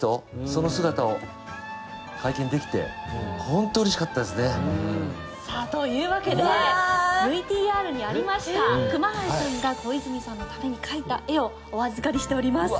その姿を拝見できてさあというわけでＶＴＲにありました熊谷さんが小泉さんのために描いた絵をお預かりしております。